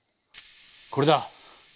これだ！